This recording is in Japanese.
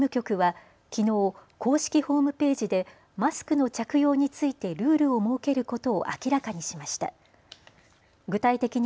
主催する事務局はきのう公式ホームページでマスクの着用についてルールを設けることを明らかにしました。